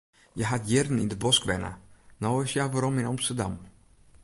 Hja hat jierren yn de bosk wenne, no is hja werom yn Amsterdam.